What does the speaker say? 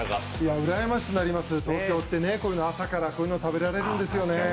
うらやましくなります、東京って朝からこういうのを食べられるんですよね。